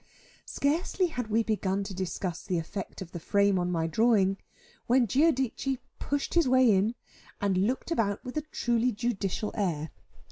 Scarcely had we begun to discuss the effect of the frame on my drawing, when Giudice pushed his way in, and looked about with a truly judicial air.